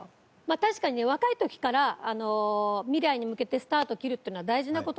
確かにね若い時から未来に向けてスタートを切るっていうのは大事な事で。